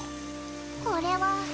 これは。